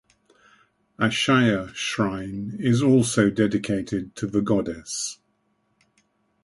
Ashiya Shrine is also dedicated to the goddess.